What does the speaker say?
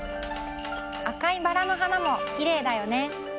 赤いバラのはなもきれいだよね。